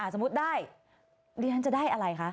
สมมุติได้ดิฉันจะได้อะไรคะ